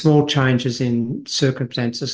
maka perubahan kecil dalam keadaan seperti